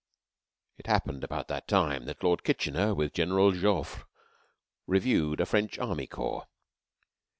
.... It happened about that time that Lord Kitchener with General Joffre reviewed a French Army Corps.